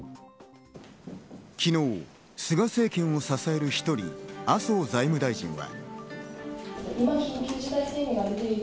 昨日、菅政権を支える１人、麻生財務大臣は。